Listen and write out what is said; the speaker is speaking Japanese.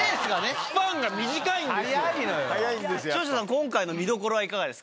今回の見どころはいかがですか？